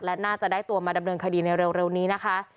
และน่าจะได้ตัวมาดำเนินคดีในเร็วนี้นะคะ